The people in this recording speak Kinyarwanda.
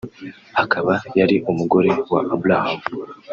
akaba yari umugore wa Aburahamu